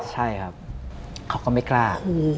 ใช่ครับเขาก็ไม่กล้า